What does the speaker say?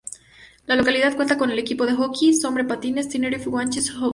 La localidad cuenta con el equipo de "hockey" sobre patines Tenerife Guanches Hockey Club.